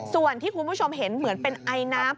ส่วนที่คุณผู้ชมเห็นเหมือนเป็นไอน้ำ